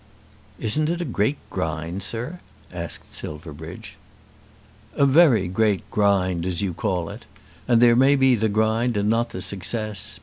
"Isn't it a great grind, sir?" asked Silverbridge. "A very great grind, as you call it. And there may be the grind and not the success.